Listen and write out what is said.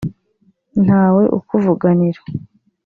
nta we ukuvuganira